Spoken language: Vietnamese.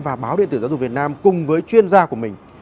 và báo điện tử giáo dục việt nam cùng với chuyên gia của mình